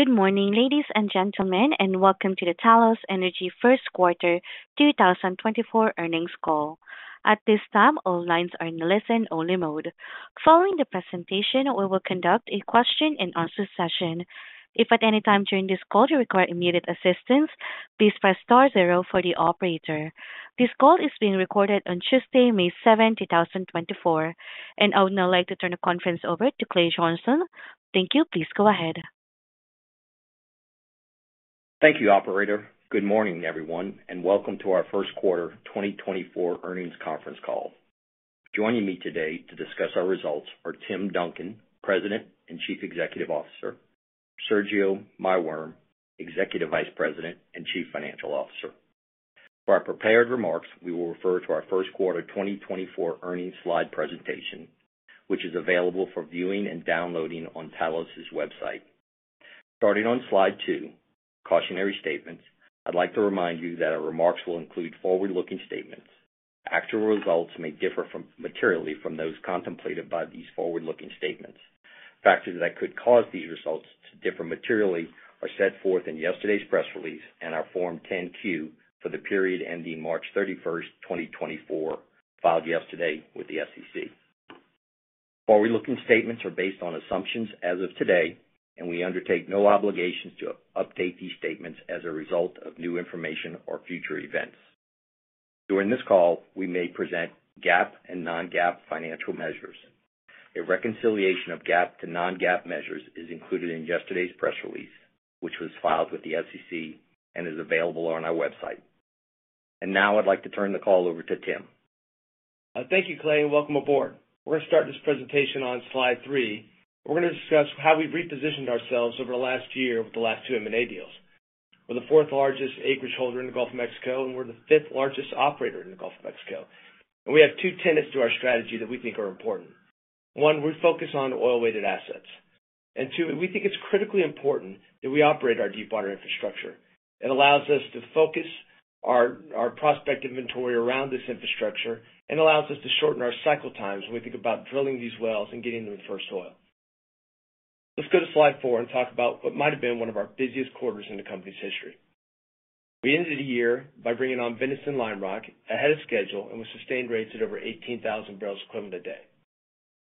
Good morning, ladies and gentlemen, and welcome to the Talos Energy first quarter 2024 earnings call. At this time, all lines are in listen-only mode. Following the presentation, we will conduct a question and answer session. If at any time during this call you require immediate assistance, please press star zero for the operator. This call is being recorded on Tuesday, May 7, 2024. I would now like to turn the conference over to Clay Johnson. Thank you. Please go ahead. Thank you, operator. Good morning, everyone, and welcome to our first quarter 2024 earnings conference call. Joining me today to discuss our results are Tim Duncan, President and Chief Executive Officer, Sergio Maiworm, Executive Vice President and Chief Financial Officer. For our prepared remarks, we will refer to our first quarter 2024 earnings slide presentation, which is available for viewing and downloading on Talos's website. Starting on slide 2, cautionary statements, I'd like to remind you that our remarks will include forward-looking statements. Actual results may differ materially from those contemplated by these forward-looking statements. Factors that could cause these results to differ materially are set forth in yesterday's press release and our Form 10-Q for the period ending March 31, 2024, filed yesterday with the SEC. Forward-looking statements are based on assumptions as of today, and we undertake no obligations to update these statements as a result of new information or future events. During this call, we may present GAAP and non-GAAP financial measures. A reconciliation of GAAP to non-GAAP measures is included in yesterday's press release, which was filed with the SEC and is available on our website. Now I'd like to turn the call over to Tim. Thank you, Clay, and welcome aboard. We're going to start this presentation on slide 3. We're going to discuss how we've repositioned ourselves over the last year with the last two M&A deals. We're the fourth largest acreage holder in the Gulf of Mexico, and we're the fifth largest operator in the Gulf of Mexico. And we have two tenets to our strategy that we think are important. One, we're focused on oil-weighted assets, and two, we think it's critically important that we operate our deepwater infrastructure. It allows us to focus our, our prospect inventory around this infrastructure and allows us to shorten our cycle times when we think about drilling these wells and getting them in first oil. Let's go to slide 4 and talk about what might have been one of our busiest quarters in the company's history. We ended the year by bringing on Venice Lime Rock ahead of schedule and with sustained rates at over 18,000 barrels equivalent a day.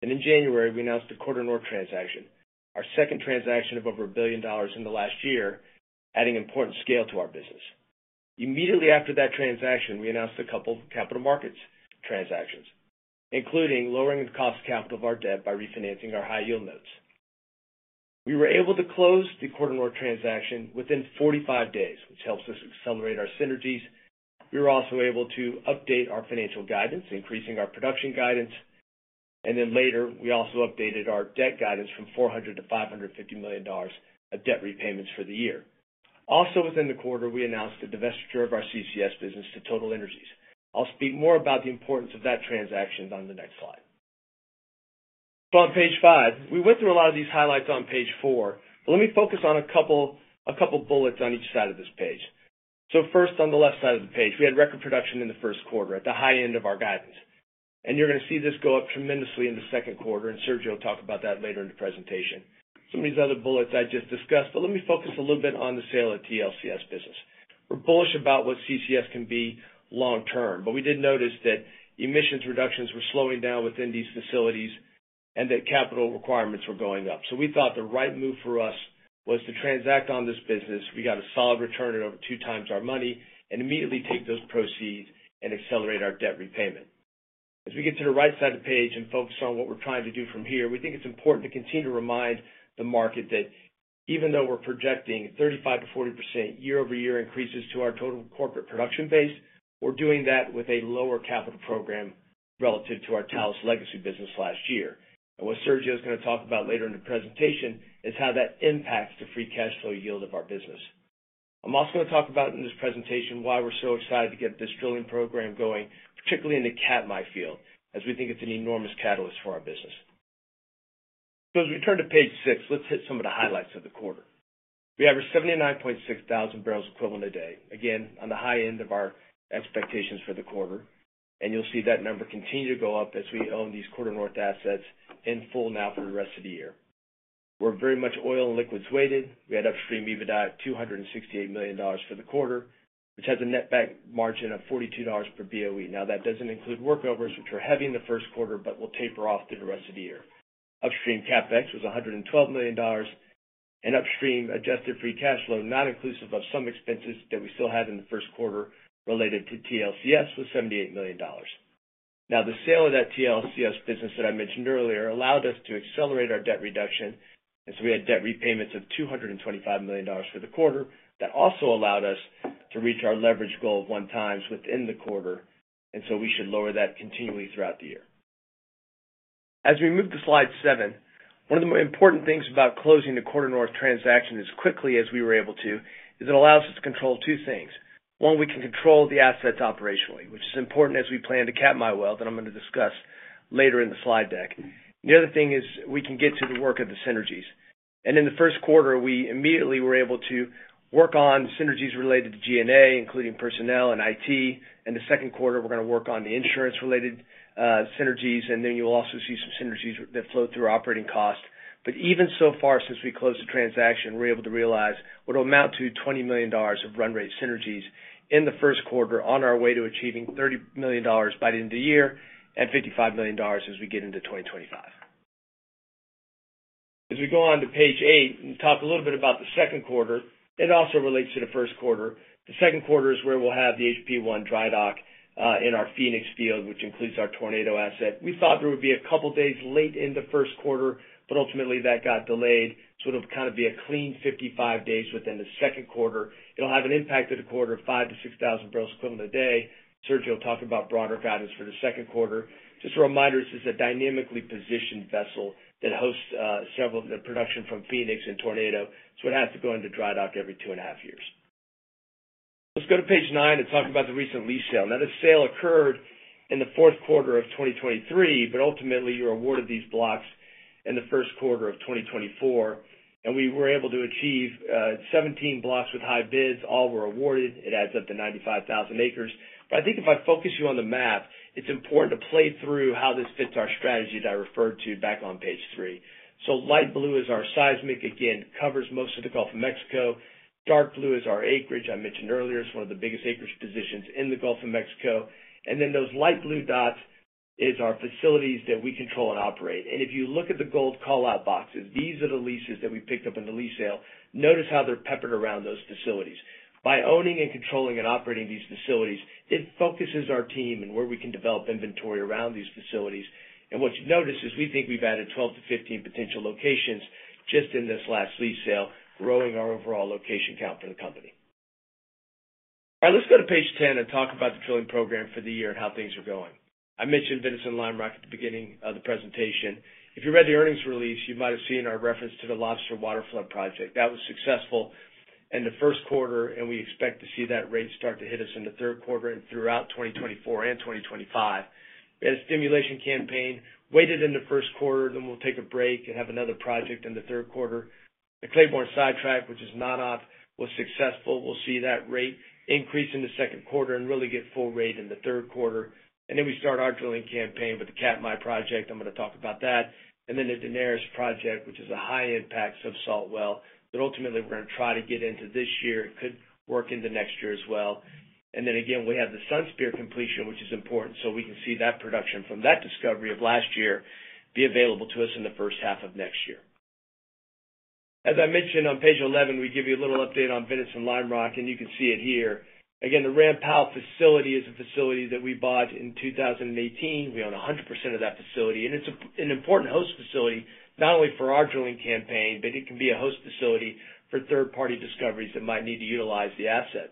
In January, we announced the Quarter North transaction, our second transaction of over $1 billion in the last year, adding important scale to our business. Immediately after that transaction, we announced a couple of capital markets transactions, including lowering the cost of capital of our debt by refinancing our high-yield notes. We were able to close the Quarter North transaction within 45 days, which helps us accelerate our synergies. We were also able to update our financial guidance, increasing our production guidance, and then later, we also updated our debt guidance from $400 million to $550 million of debt repayments for the year. Also, within the quarter, we announced the divestiture of our CCS business to TotalEnergies. I'll speak more about the importance of that transaction on the next slide. On page five, we went through a lot of these highlights on page four, but let me focus on a couple, a couple bullets on each side of this page. So first, on the left side of the page, we had record production in the first quarter at the high end of our guidance. And you're going to see this go up tremendously in the second quarter, and Sergio will talk about that later in the presentation. Some of these other bullets I just discussed, but let me focus a little bit on the sale of TLCS business. We're bullish about what CCS can be long term, but we did notice that emissions reductions were slowing down within these facilities and that capital requirements were going up. So we thought the right move for us was to transact on this business. We got a solid return at over 2x our money and immediately take those proceeds and accelerate our debt repayment. As we get to the right side of the page and focus on what we're trying to do from here, we think it's important to continue to remind the market that even though we're projecting 35%-40% year-over-year increases to our total corporate production base, we're doing that with a lower capital program relative to our Talos legacy business last year. And what Sergio is going to talk about later in the presentation is how that impacts the free cash flow yield of our business. I'm also going to talk about in this presentation why we're so excited to get this drilling program going, particularly in the Katmai field, as we think it's an enormous catalyst for our business. So as we turn to page 6, let's hit some of the highlights of the quarter. We averaged 79.6 thousand barrels equivalent a day, again, on the high end of our expectations for the quarter, and you'll see that number continue to go up as we own these Quarter North assets in full now for the rest of the year. We're very much oil and liquids weighted. We had upstream EBITDA at $268 million for the quarter, which has a netback margin of $42 per Boe. Now, that doesn't include workovers, which are heavy in the first quarter but will taper off through the rest of the year. Upstream CapEx was $112 million, and upstream adjusted free cash flow, not inclusive of some expenses that we still had in the first quarter related to TLCS, was $78 million. Now, the sale of that TLCS business that I mentioned earlier allowed us to accelerate our debt reduction, and so we had debt repayments of $225 million for the quarter. That also allowed us to reach our leverage goal of 1x within the quarter, and so we should lower that continually throughout the year. As we move to slide 7, one of the more important things about closing the Quarter North transaction as quickly as we were able to, is it allows us to control two things. One, we can control the assets operationally, which is important as we plan the Katmai well, that I'm going to discuss later in the slide deck. The other thing is we can get to the work of the synergies. In the first quarter, we immediately were able to work on synergies related to G&A, including personnel and IT. In the second quarter, we're gonna work on the insurance-related synergies, and then you'll also see some synergies that flow through operating costs. Even so far, since we closed the transaction, we're able to realize what will amount to $20 million of run rate synergies in the first quarter on our way to achieving $30 million by the end of the year and $55 million as we get into 2025. As we go on to page 8 and talk a little bit about the second quarter, it also relates to the first quarter. The second quarter is where we'll have the HP-1 dry dock in our Phoenix field, which includes our Tornado asset. We thought there would be a couple days late in the first quarter, but ultimately that got delayed, so it'll kind of be a clean 55 days within the second quarter. It'll have an impact of the quarter of 5,000-6,000 barrels equivalent a day. Sergio will talk about broader guidance for the second quarter. Just a reminder, this is a dynamically positioned vessel that hosts several of the production from Phoenix and Tornado, so it has to go into dry dock every 2.5 years. Let's go to page 9 and talk about the recent lease sale. Now, this sale occurred in the fourth quarter of 2023, but ultimately, you were awarded these blocks in the first quarter of 2024, and we were able to achieve, 17 blocks with high bids. All were awarded. It adds up to 95,000 acres. But I think if I focus you on the map, it's important to play through how this fits our strategy that I referred to back on page three. So light blue is our seismic. Again, covers most of the Gulf of Mexico. Dark blue is our acreage. I mentioned earlier, it's one of the biggest acreage positions in the Gulf of Mexico. And then those light blue dots is our facilities that we control and operate. And if you look at the gold call-out boxes, these are the leases that we picked up in the lease sale. Notice how they're peppered around those facilities. By owning and controlling and operating these facilities, it focuses our team and where we can develop inventory around these facilities. And what you notice is we think we've added 12-15 potential locations just in this last lease sale, growing our overall location count for the company. All right, let's go to page 10 and talk about the drilling program for the year and how things are going. I mentioned Venice and Lime Rock at the beginning of the presentation. If you read the earnings release, you might have seen our reference to the Lobster Waterflood project. That was successful in the first quarter, and we expect to see that rate start to hit us in the third quarter and throughout 2024 and 2025. We had a stimulation campaign, waited in the first quarter, then we'll take a break and have another project in the third quarter. The Claiborne sidetrack, which is not off, was successful. We'll see that rate increase in the second quarter and really get full rate in the third quarter. And then we start our drilling campaign with the Katmai project. I'm gonna talk about that. And then the Daenerys project, which is a high-impact sub-salt well, but ultimately, we're gonna try to get into this year. It could work into next year as well. And then again, we have the Sunspear completion, which is important, so we can see that production from that discovery of last year be available to us in the first half of next year. As I mentioned on page 11, we give you a little update on Venice and Lime Rock, and you can see it here. Again, the Ram Powell facility is a facility that we bought in 2018. We own 100% of that facility, and it's an important host facility, not only for our drilling campaign, but it can be a host facility for third-party discoveries that might need to utilize the asset.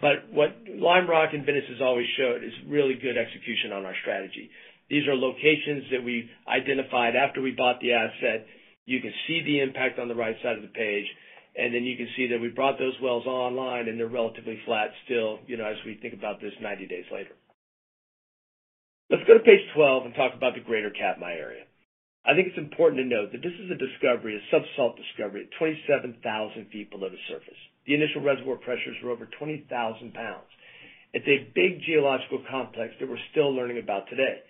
But what Lime Rock and Venice has always showed is really good execution on our strategy. These are locations that we identified after we bought the asset. You can see the impact on the right side of the page, and then you can see that we brought those wells online, and they're relatively flat still, you know, as we think about this 90 days later. Let's go to page 12 and talk about the greater Katmai area. I think it's important to note that this is a discovery, a sub-salt discovery, at 27,000 feet below the surface. The initial reservoir pressures were over 20,000 pounds. It's a big geological complex that we're still learning about today.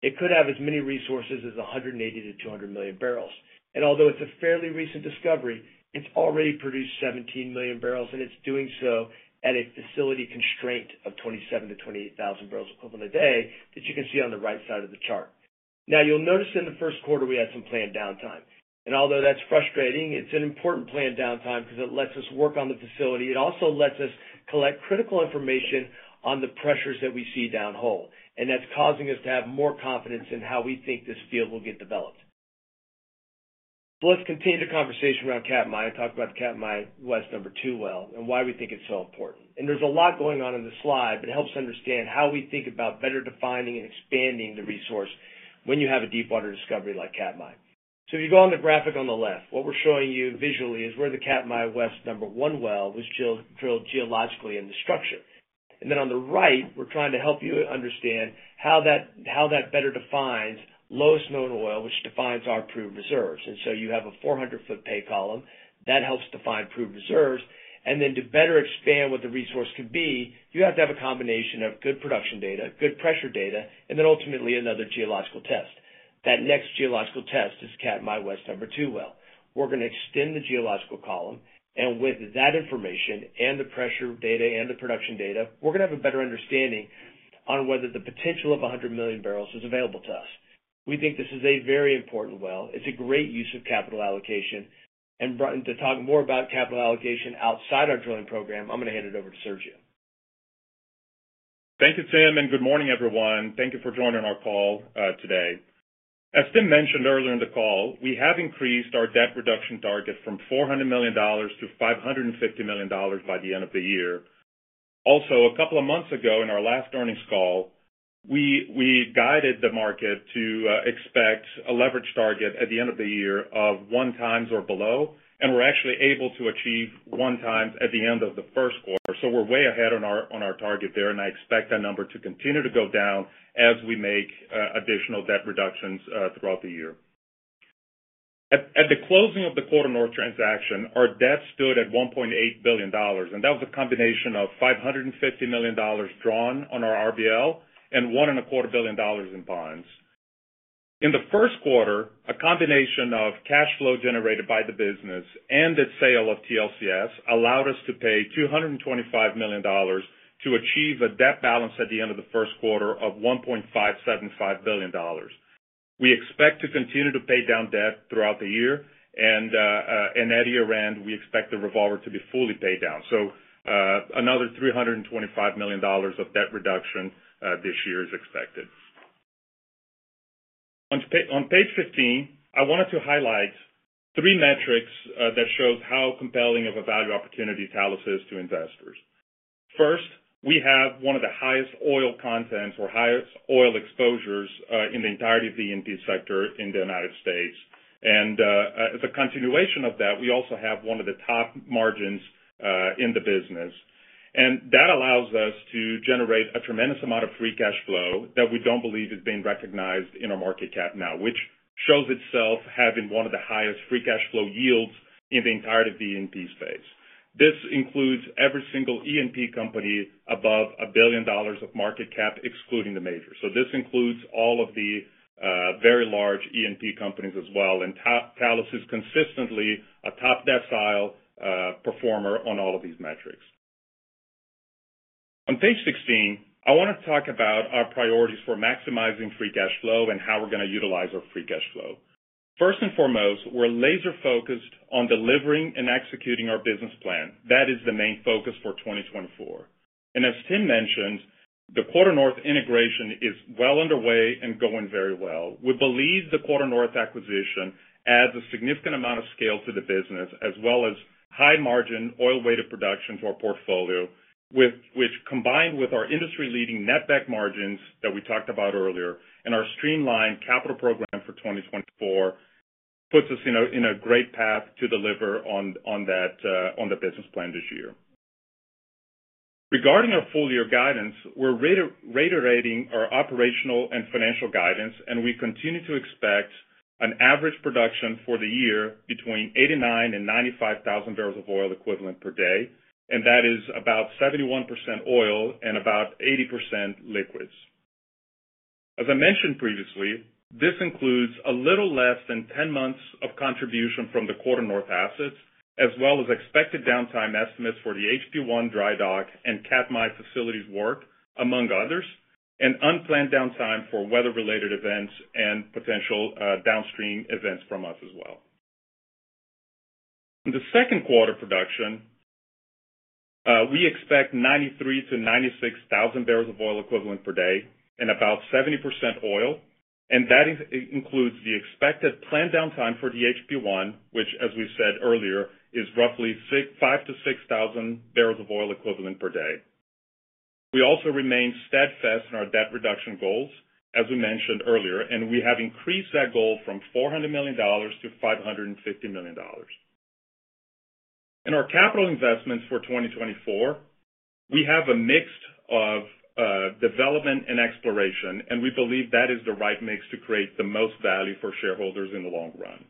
It could have as many resources as 180-200 million barrels. And although it's a fairly recent discovery, it's already produced 17 million barrels, and it's doing so at a facility constraint of 27,000-28,000 barrels equivalent a day, that you can see on the right side of the chart. Now, you'll notice in the first quarter, we had some planned downtime. And although that's frustrating, it's an important planned downtime because it lets us work on the facility. It also lets us collect critical information on the pressures that we see downhole, and that's causing us to have more confidence in how we think this field will get developed. Let's continue the conversation around Katmai and talk about the Katmai West Number Two well and why we think it's so important. There's a lot going on in the slide, but it helps to understand how we think about better defining and expanding the resource when you have a deepwater discovery like Katmai. If you go on the graphic on the left, what we're showing you visually is where the Katmai West Number One well was drilled geologically in the structure. Then on the right, we're trying to help you understand how that better defines lowest known oil, which defines our approved reserves. So you have a 400-foot pay column; that helps define approved reserves. Then to better expand what the resource could be, you have to have a combination of good production data, good pressure data, and then ultimately, another geological test. That next geological test is Katmai West Number 2 well. We're gonna extend the geological column, and with that information and the pressure data and the production data, we're gonna have a better understanding on whether the potential of 100 million barrels is available to us. We think this is a very important well. It's a great use of capital allocation. And, brought to talk more about capital allocation outside our drilling program, I'm gonna hand it over to Sergio. Thank you, Tim, and good morning, everyone. Thank you for joining our call today. As Tim mentioned earlier in the call, we have increased our debt reduction target from $400 million-$550 million by the end of the year. Also, a couple of months ago, in our last earnings call, we guided the market to expect a leverage target at the end of the year of 1x or below, and we're actually able to achieve 1x at the end of the first quarter. So we're way ahead on our target there, and I expect that number to continue to go down as we make additional debt reductions throughout the year. At the closing of the Quarter North transaction, our debt stood at $1.8 billion, and that was a combination of $550 million drawn on our RBL and $1.25 billion in bonds. In the first quarter, a combination of cash flow generated by the business and the sale of TLCS allowed us to pay $225 million to achieve a debt balance at the end of the first quarter of $1.575 billion. We expect to continue to pay down debt throughout the year, and in that year end, we expect the revolver to be fully paid down. So, another $325 million of debt reduction this year is expected. On page 15, I wanted to highlight three metrics that shows how compelling of a value opportunity Talos is to investors. First, we have one of the highest oil contents or highest oil exposures in the entirety of the E&P sector in the United States. As a continuation of that, we also have one of the top margins in the business. That allows us to generate a tremendous amount of free cash flow that we don't believe is being recognized in our market cap now, which shows itself having one of the highest free cash flow yields in the entirety of the E&P space. This includes every single E&P company above $1 billion of market cap, excluding the majors. So this includes all of the very large E&P companies as well, and Talos is consistently a top decile performer on all of these metrics. On page 16, I want to talk about our priorities for maximizing free cash flow and how we're gonna utilize our free cash flow. First and foremost, we're laser focused on delivering and executing our business plan. That is the main focus for 2024. And as Tim mentioned, the Quarter North integration is well underway and going very well. We believe the Quarter North acquisition adds a significant amount of scale to the business, as well as high-margin oil-weighted production to our portfolio, which combined with our industry-leading netback margins that we talked about earlier and our streamlined capital program for 2024, puts us in a great path to deliver on that on the business plan this year. Regarding our full-year guidance, we're reiterating our operational and financial guidance, and we continue to expect an average production for the year between 89 and 95 thousand barrels of oil equivalent per day, and that is about 71% oil and about 80% liquids. As I mentioned previously, this includes a little less than 10 months of contribution from the Quarter North assets, as well as expected downtime estimates for the HP-1 dry dock and Katmai facilities work, among others, and unplanned downtime for weather-related events and potential downstream events from us as well. In the second quarter production, we expect 93,000-96,000 barrels of oil equivalent per day and about 70% oil, and that includes the expected planned downtime for the HP-1, which, as we said earlier, is roughly 5,000-6,000 barrels of oil equivalent per day. We also remain steadfast in our debt reduction goals, as we mentioned earlier, and we have increased that goal from $400 million to $550 million. In our capital investments for 2024, we have a mix of development and exploration, and we believe that is the right mix to create the most value for shareholders in the long run.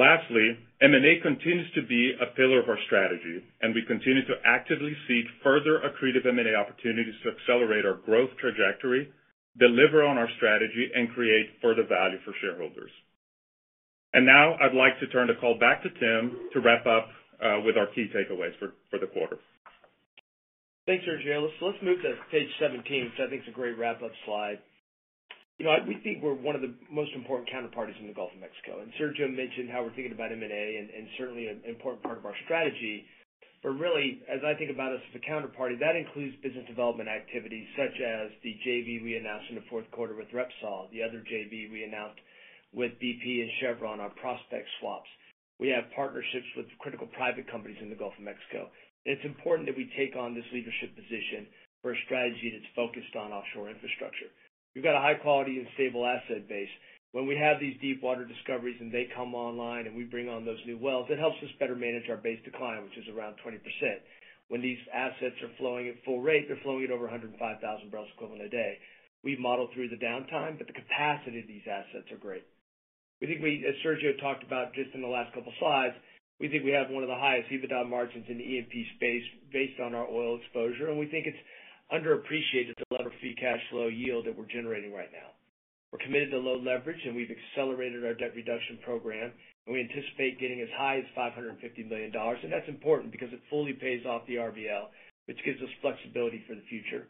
Lastly, M&A continues to be a pillar of our strategy, and we continue to actively seek further accretive M&A opportunities to accelerate our growth trajectory, deliver on our strategy, and create further value for shareholders. Now I'd like to turn the call back to Tim to wrap up with our key takeaways for the quarter. Thanks, Sergio. Let's, let's move to page 17, because I think it's a great wrap-up slide. You know, I-- we think we're one of the most important counterparties in the Gulf of Mexico. And Sergio mentioned how we're thinking about M&A and, and certainly an important part of our strategy. But really, as I think about us as a counterparty, that includes business development activities such as the JV we announced in the fourth quarter with Repsol, the other JV we announced with BP and Chevron, our prospect swaps. We have partnerships with critical private companies in the Gulf of Mexico. It's important that we take on this leadership position for a strategy that's focused on offshore infrastructure. We've got a high quality and stable asset base. When we have these deep water discoveries and they come online and we bring on those new wells, it helps us better manage our base decline, which is around 20%. When these assets are flowing at full rate, they're flowing at over 105,000 barrels equivalent a day. We've modeled through the downtime, but the capacity of these assets are great. We think we, as Sergio talked about just in the last couple of slides, we think we have one of the highest EBITDA margins in the E&P space based on our oil exposure, and we think it's underappreciated the level of free cash flow yield that we're generating right now. We're committed to low leverage, and we've accelerated our debt reduction program, and we anticipate getting as high as $550 million. That's important because it fully pays off the RBL, which gives us flexibility for the future.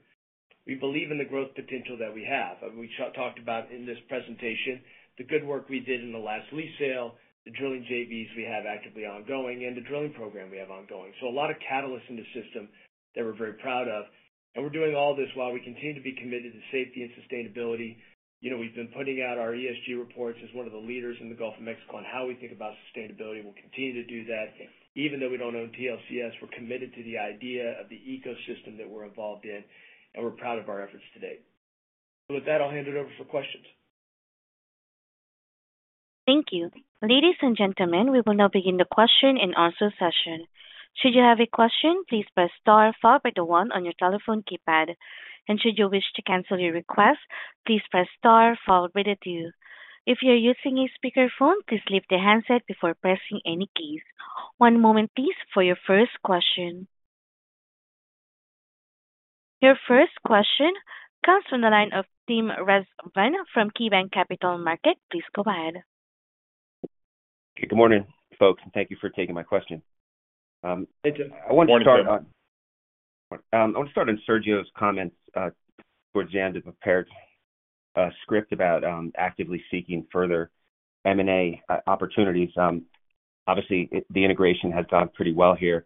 We believe in the growth potential that we have. We talked about in this presentation, the good work we did in the last lease sale, the drilling JVs we have actively ongoing, and the drilling program we have ongoing. So a lot of catalysts in the system that we're very proud of, and we're doing all this while we continue to be committed to safety and sustainability. You know, we've been putting out our ESG reports as one of the leaders in the Gulf of Mexico on how we think about sustainability. We'll continue to do that. Even though we don't own TLCS, we're committed to the idea of the ecosystem that we're involved in, and we're proud of our efforts to date. With that, I'll hand it over for questions. Thank you. Ladies and gentlemen, we will now begin the question and answer session.... Should you have a question, please press star followed by the one on your telephone keypad. Should you wish to cancel your request, please press star followed by the two. If you're using a speakerphone, please leave the handset before pressing any keys. One moment, please, for your first question. Your first question comes from the line of Tim Rezvan from KeyBanc Capital Markets. Please go ahead. Good morning, folks, and thank you for taking my question. I want to start on- Good morning, Tim. I want to start on Sergio's comments, towards the end of prepared script about actively seeking further M&A opportunities. Obviously, the integration has gone pretty well here.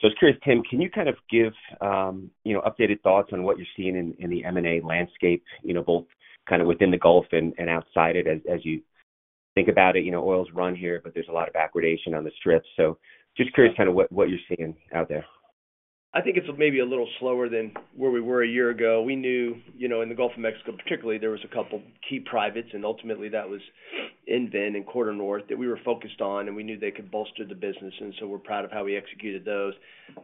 So I was curious, Tim, can you kind of give, you know, updated thoughts on what you're seeing in the M&A landscape, you know, both kind of within the Gulf and outside it as you think about it? You know, oil's run here, but there's a lot of acquisition on the strip. So just curious kind of what you're seeing out there. I think it's maybe a little slower than where we were a year ago. We knew, you know, in the Gulf of Mexico, particularly, there was a couple key privates, and ultimately that was EnVen and Quarter North that we were focused on, and we knew they could bolster the business, and so we're proud of how we executed those.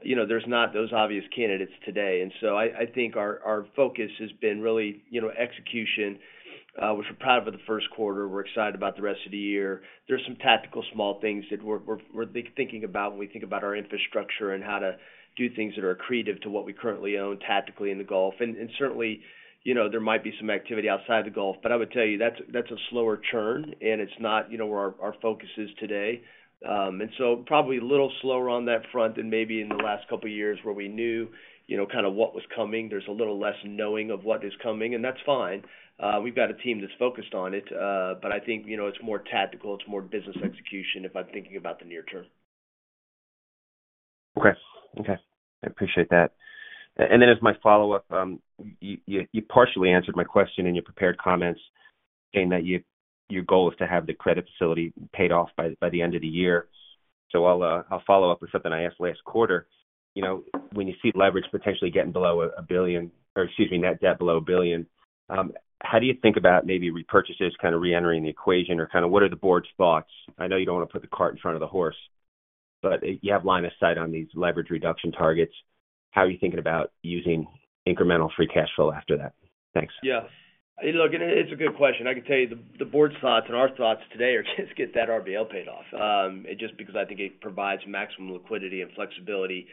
You know, there's not those obvious candidates today, and so I, I think our, our focus has been really, you know, execution, which we're proud of for the first quarter. We're excited about the rest of the year. There's some tactical small things that we're thinking about when we think about our infrastructure and how to do things that are accretive to what we currently own tactically in the Gulf. And certainly, you know, there might be some activity outside the Gulf, but I would tell you that's, that's a slower churn, and it's not, you know, where our, our focus is today. And so probably a little slower on that front than maybe in the last couple of years, where we knew, you know, kind of what was coming. There's a little less knowing of what is coming, and that's fine. We've got a team that's focused on it, but I think, you know, it's more tactical, it's more business execution, if I'm thinking about the near term. Okay. Okay, I appreciate that. And then as my follow-up, you partially answered my question in your prepared comments, saying that your goal is to have the credit facility paid off by the end of the year. So I'll follow up with something I asked last quarter. You know, when you see leverage potentially getting below $1 billion, or excuse me, net debt below $1 billion, how do you think about maybe repurchases kind of reentering the equation or kind of what are the board's thoughts? I know you don't want to put the cart in front of the horse, but you have line of sight on these leverage reduction targets. How are you thinking about using incremental free cash flow after that? Thanks. Yeah. Look, it's a good question. I can tell you the board's thoughts and our thoughts today are just get that RBL paid off, just because I think it provides maximum liquidity and flexibility.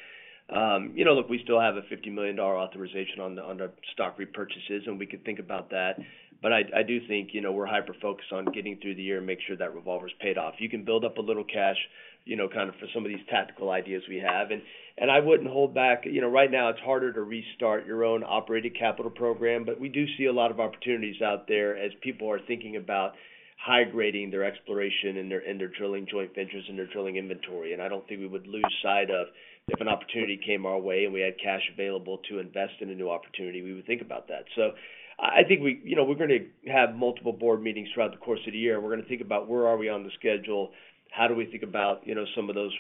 You know, look, we still have a $50 million authorization on the-- on our stock repurchases, and we could think about that. But I do think, you know, we're hyper-focused on getting through the year and make sure that revolver is paid off. You can build up a little cash, you know, kind of for some of these tactical ideas we have. And I wouldn't hold back. You know, right now it's harder to restart your own operating capital program, but we do see a lot of opportunities out there as people are thinking about high-grading their exploration and their drilling joint ventures and their drilling inventory. And I don't think we would lose sight of if an opportunity came our way and we had cash available to invest in a new opportunity, we would think about that. So I, I think we, you know, we're gonna have multiple board meetings throughout the course of the year, and we're gonna think about where are we on the schedule, how do we think about, you know, some of those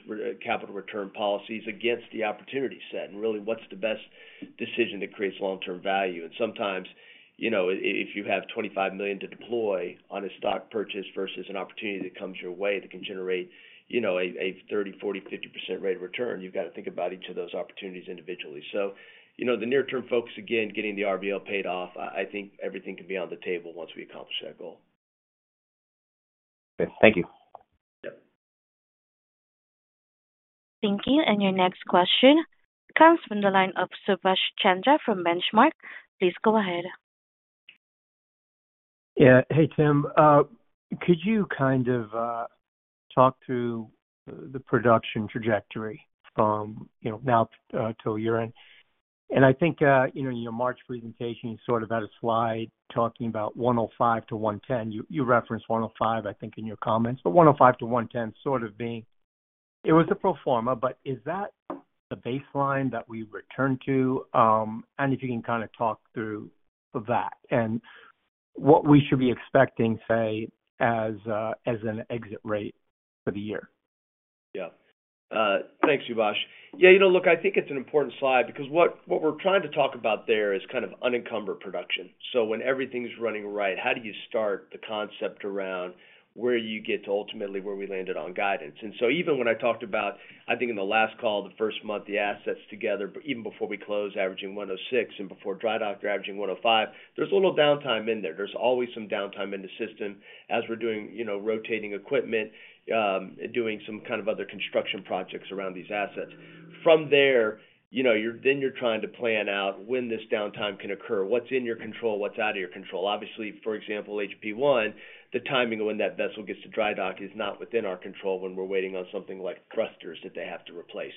capital return policies against the opportunity set, and really, what's the best decision that creates long-term value? And sometimes, you know, i-if you have $25 million to deploy on a stock purchase versus an opportunity that comes your way, that can generate, you know, a, a 30, 40, 50% rate of return, you've got to think about each of those opportunities individually. So, you know, the near term focus, again, getting the RBL paid off. I think everything can be on the table once we accomplish that goal. Thank you. Yep. Thank you. Your next question comes from the line of Subash Chandra from Benchmark. Please go ahead. Yeah. Hey, Tim, could you kind of talk to the production trajectory from, you know, now till year-end? And I think, you know, in your March presentation, you sort of had a slide talking about 105-110. You referenced 105, I think, in your comments, but 105-110 sort of being... It was a pro forma, but is that the baseline that we return to? And if you can kind of talk through that and what we should be expecting, say, as an exit rate for the year. Yeah. Thanks, Subash. Yeah, you know, look, I think it's an important slide because what we're trying to talk about there is kind of unencumbered production. So when everything's running right, how do you start the concept around where you get to ultimately where we landed on guidance? And so even when I talked about, I think in the last call, the first month, the assets together, even before we closed, averaging 106, and before dry dock, averaging 105, there's a little downtime in there. There's always some downtime in the system as we're doing, you know, rotating equipment, doing some kind of other construction projects around these assets. From there, you know, then you're trying to plan out when this downtime can occur, what's in your control, what's out of your control. Obviously, for example, HP-I, the timing of when that vessel gets to dry dock is not within our control when we're waiting on something like thrusters that they have to replace.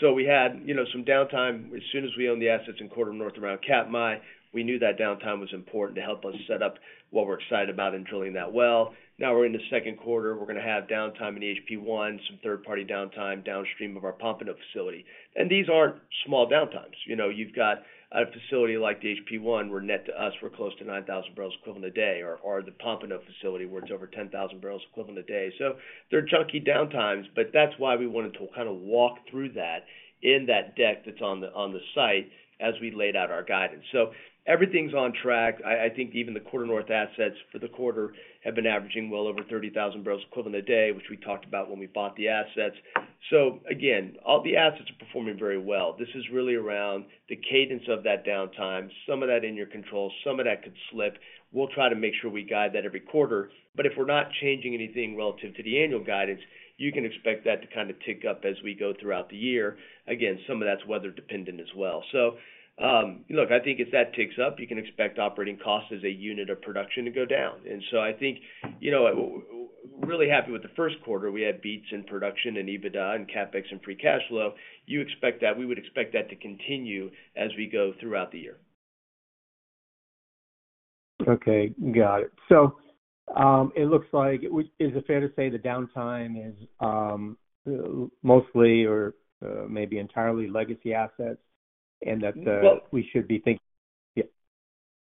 So we had, you know, some downtime. As soon as we owned the assets in Quarter North around Katmai, we knew that downtime was important to help us set up what we're excited about in drilling that well. Now we're in the second quarter, we're gonna have downtime in the HP-I, some third-party downtime downstream of our Pompano facility. And these aren't small downtimes. You know, you've got a facility like the HP-I, where net to us, we're close to 9,000 barrels equivalent a day, or, or the Pompano facility, where it's over 10,000 barrels equivalent a day. So they're chunky downtimes, but that's why we wanted to kind of walk through that. In that deck that's on the, on the site as we laid out our guidance. So everything's on track. I think even the Quarter North assets for the quarter have been averaging well over 30,000 barrels equivalent a day, which we talked about when we bought the assets. So again, all the assets are performing very well. This is really around the cadence of that downtime, some of that in your control, some of that could slip. We'll try to make sure we guide that every quarter, but if we're not changing anything relative to the annual guidance, you can expect that to kind of tick up as we go throughout the year. Again, some of that's weather dependent as well. So, look, I think if that ticks up, you can expect operating costs as a unit of production to go down. I think, you know, really happy with the first quarter. We had beats in production and EBITDA and CapEx and free cash flow. You expect that. We would expect that to continue as we go throughout the year. Okay, got it. So, it looks like, is it fair to say the downtime is, mostly or, maybe entirely legacy assets, and that, we should be thinking? Yeah.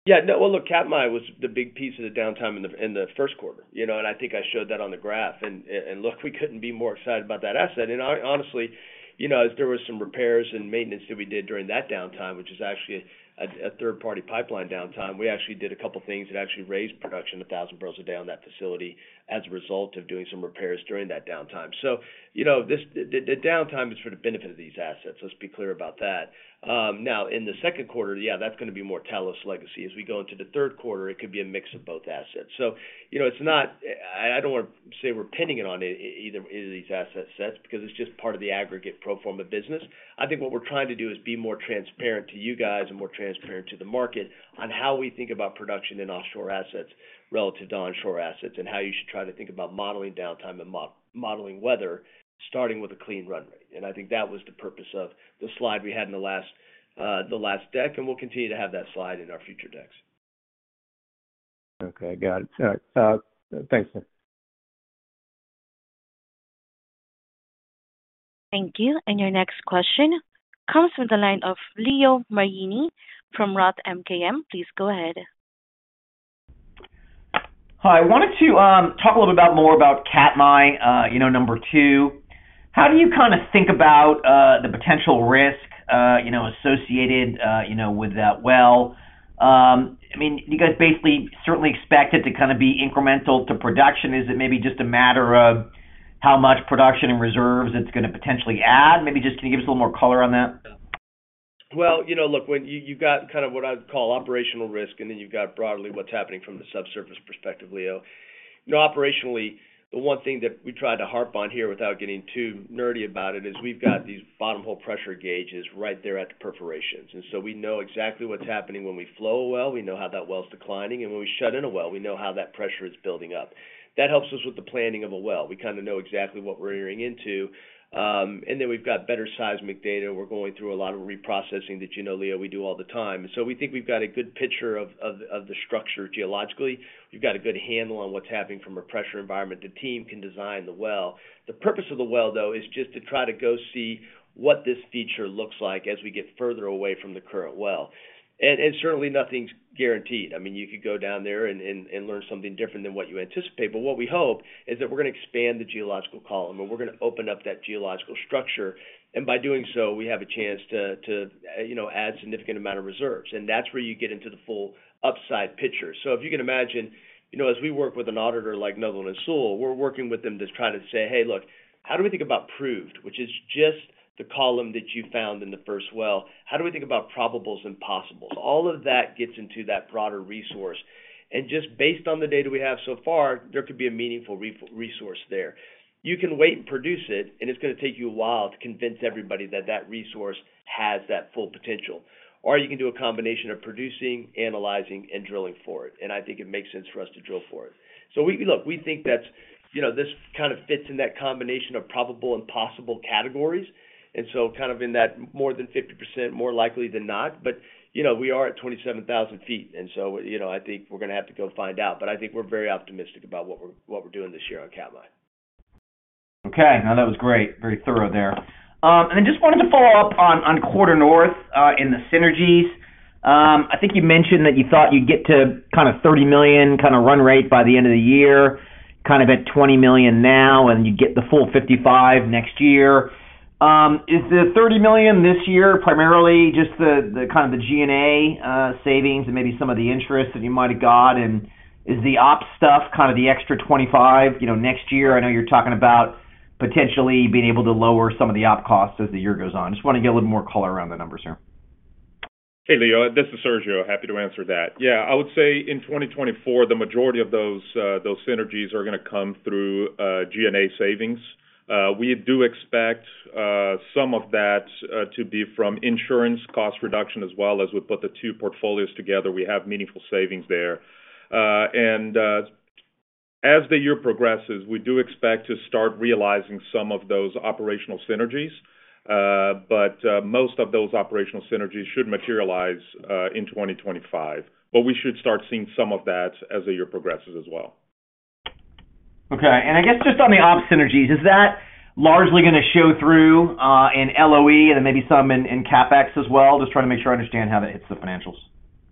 Yeah. No. Well, look, Katmai was the big piece of the downtime in the first quarter, you know, and I think I showed that on the graph. And look, we couldn't be more excited about that asset. And honestly, you know, as there was some repairs and maintenance that we did during that downtime, which is actually a third-party pipeline downtime, we actually did a couple of things that actually raised production 1,000 barrels a day on that facility as a result of doing some repairs during that downtime. So, you know, the downtime is for the benefit of these assets. Let's be clear about that. Now, in the second quarter, yeah, that's gonna be more Talos legacy. As we go into the third quarter, it could be a mix of both assets. You know, it's not—I don't want to say we're pinning it on either of these asset sets, because it's just part of the aggregate pro forma business. I think what we're trying to do is be more transparent to you guys and more transparent to the market on how we think about production in offshore assets relative to onshore assets, and how you should try to think about modeling downtime and modeling weather, starting with a clean run rate. And I think that was the purpose of the slide we had in the last deck, and we'll continue to have that slide in our future decks. Okay, got it. All right, thanks, sir. Thank you. And your next question comes from the line of Leo Mariani from Roth MKM. Please go ahead. Hi. I wanted to talk a little bit more about Katmai, you know, number 2. How do you kinda think about the potential risk, you know, associated, you know, with that well? I mean, do you guys basically certainly expect it to kinda be incremental to production? Is it maybe just a matter of how much production and reserves it's gonna potentially add? Maybe just can you give us a little more color on that? Well, you know, look, when you, you've got kind of what I'd call operational risk, and then you've got broadly what's happening from the subsurface perspective, Leo. You know, operationally, the one thing that we try to harp on here without getting too nerdy about it, is we've got these bottom hole pressure gauges right there at the perforations. And so we know exactly what's happening when we flow a well, we know how that well's declining, and when we shut in a well, we know how that pressure is building up. That helps us with the planning of a well. We kinda know exactly what we're entering into. And then we've got better seismic data. We're going through a lot of reprocessing that, you know, Leo, we do all the time. So we think we've got a good picture of, of, of the structure geologically. We've got a good handle on what's happening from a pressure environment. The team can design the well. The purpose of the well, though, is just to try to go see what this feature looks like as we get further away from the current well. And certainly nothing's guaranteed. I mean, you could go down there and learn something different than what you anticipate. But what we hope is that we're gonna expand the geological column, and we're gonna open up that geological structure, and by doing so, we have a chance to, you know, add significant amount of reserves. And that's where you get into the full upside picture. So if you can imagine, you know, as we work with an auditor like Netherland, Sewell & Associates, Inc., we're working with them to try to say, "Hey, look, how do we think about proved, which is just the column that you found in the first well? How do we think about probables and possibles?" All of that gets into that broader resource. And just based on the data we have so far, there could be a meaningful resource there. You can wait and produce it, and it's gonna take you a while to convince everybody that that resource has that full potential. Or you can do a combination of producing, analyzing, and drilling for it, and I think it makes sense for us to drill for it. Look, we think that's, you know, this kind of fits in that combination of probable and possible categories, and so kind of in that more than 50%, more likely than not. But, you know, we are at 27,000 feet, and so, you know, I think we're gonna have to go find out. But I think we're very optimistic about what we're, what we're doing this year on Katmai. Okay, now that was great, very thorough there. And I just wanted to follow up on Quarter North in the synergies. I think you mentioned that you thought you'd get to kind of $30 million, kind of run rate by the end of the year, kind of at $20 million now, and you get the full $55 million next year. Is the $30 million this year primarily just the kind of the G&A savings and maybe some of the interest that you might have got? And is the op stuff, kind of the extra $25 million, you know, next year? I know you're talking about potentially being able to lower some of the op costs as the year goes on. I just want to get a little more color around the numbers here. Hey, Leo, this is Sergio. Happy to answer that. Yeah, I would say in 2024, the majority of those synergies are gonna come through G&A savings. We do expect some of that to be from insurance cost reduction, as well as we put the two portfolios together, we have meaningful savings there. And as the year progresses, we do expect to start realizing some of those operational synergies, but most of those operational synergies should materialize in 2025. But we should start seeing some of that as the year progresses as well. Okay. And I guess just on the op synergies, is that largely gonna show through in LOE and maybe some in CapEx as well? Just trying to make sure I understand how that hits the financials....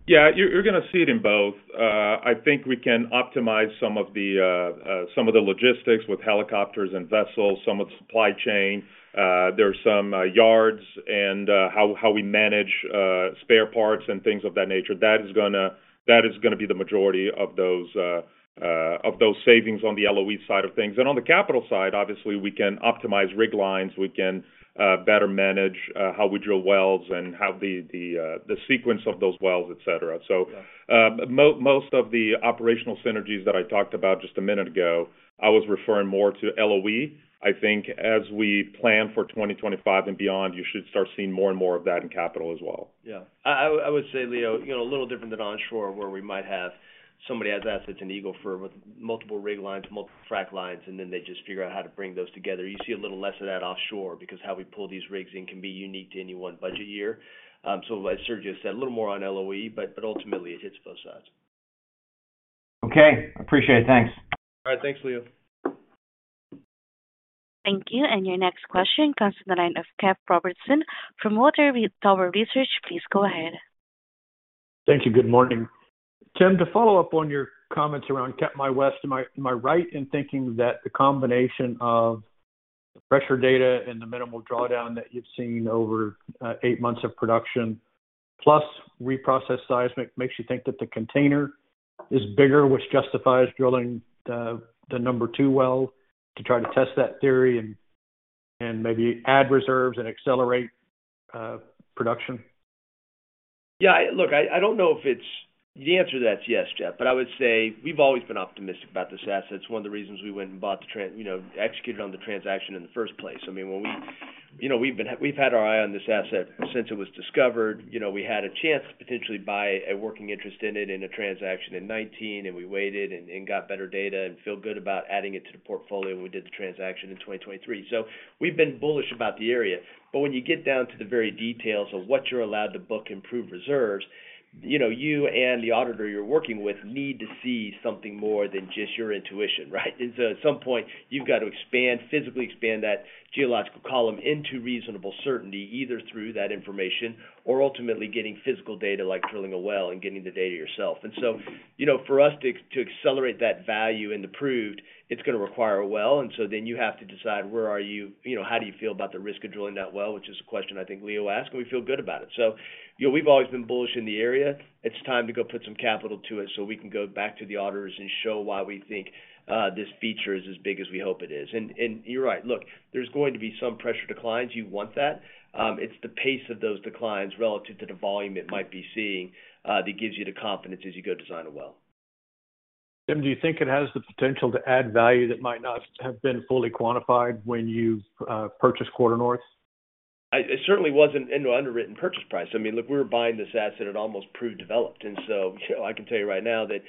Yeah, you're gonna see it in both. I think we can optimize some of the logistics with helicopters and vessels, some of the supply chain. There are some yards and how we manage spare parts and things of that nature. That is gonna be the majority of those savings on the LOE side of things. And on the capital side, obviously, we can optimize rig lines, we can better manage how we drill wells and how the sequence of those wells, et cetera. So, most of the operational synergies that I talked about just a minute ago, I was referring more to LOE. I think as we plan for 2025 and beyond, you should start seeing more and more of that in capital as well. Yeah. I would say, Leo, you know, a little different than onshore, where we might have somebody has assets in Eagle Ford with multiple rig lines, multiple frack lines, and then they just figure out how to bring those together. You see a little less of that offshore because how we pull these rigs in can be unique to any one budget year. So as Sergio said, a little more on LOE, but ultimately, it hits both sides. Okay, appreciate it. Thanks. All right. Thanks, Leo. Thank you. And your next question comes from the line of Jeff Robertson from Water Tower Research. Please go ahead. Thank you. Good morning. Tim, to follow up on your comments around Katmai West, am I, am I right in thinking that the combination of the pressure data and the minimal drawdown that you've seen over eight months of production, plus reprocessed seismic, makes you think that the container is bigger, which justifies drilling the, the number two well to try to test that theory and, and maybe add reserves and accelerate production? Yeah, look, I don't know if it's the answer to that is yes, Jeff, but I would say we've always been optimistic about this asset. It's one of the reasons we went and bought the transaction, you know, executed on the transaction in the first place. I mean, when we... You know, we've had our eye on this asset since it was discovered. You know, we had a chance to potentially buy a working interest in it in a transaction in 2019, and we waited and got better data and feel good about adding it to the portfolio when we did the transaction in 2023. So we've been bullish about the area. But when you get down to the very details of what you're allowed to book in proved reserves, you know, you and the auditor you're working with need to see something more than just your intuition, right? And so at some point, you've got to expand, physically expand that geological column into reasonable certainty, either through that information or ultimately getting physical data, like drilling a well and getting the data yourself. And so, you know, for us to, to accelerate that value into proved, it's gonna require a well, and so then you have to decide where you-- you know, how do you feel about the risk of drilling that well, which is a question I think Leo asked, and we feel good about it. So, you know, we've always been bullish in the area. It's time to go put some capital to it so we can go back to the auditors and show why we think this feature is as big as we hope it is. And, and you're right. Look, there's going to be some pressure declines. You want that. It's the pace of those declines relative to the volume it might be seeing that gives you the confidence as you go design a well. Tim, do you think it has the potential to add value that might not have been fully quantified when you purchased Quarter North? It certainly wasn't into underwritten purchase price. I mean, look, we were buying this asset at almost proved developed, and so, you know, I can tell you right now that